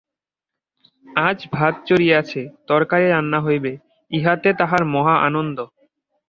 আজ ভাত চড়িয়াছে, তরকারি রান্না হইবে, ইহাতে তাহার মহা আনন্দ।